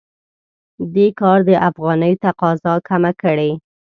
دې کار د افغانۍ تقاضا کمه کړې.